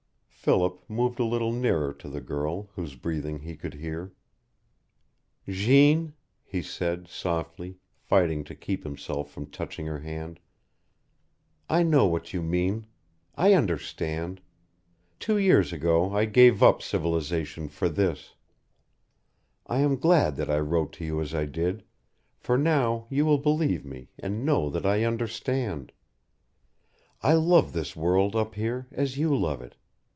Philip moved a little nearer to the girl, whose breathing he could hear. "Jeanne," he said, softly, fighting to keep himself from touching her hand, "I know what you mean I understand. Two years ago I gave up civilization for this. I am glad that I wrote to you as I did, for now you will believe me and know that I understand. I love this world up here as you love it.